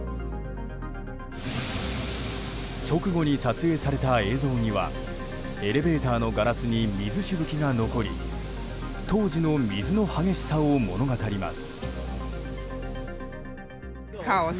直後に撮影された映像にはエレベーターのガラスに水しぶきが残り当時の水の激しさを物語ります。